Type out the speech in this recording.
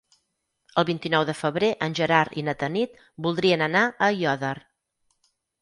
El vint-i-nou de febrer en Gerard i na Tanit voldrien anar a Aiòder.